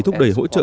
thúc đẩy hỗ trợ